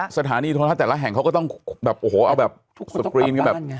สถานีทรุษฐัพแต่ละแห่งเขาก็ต้องแบบเอาแบบนี้แบบ